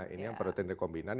ini yang protein recombinant